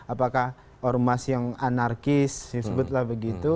apakah ormas yang anarkis disebutlah begitu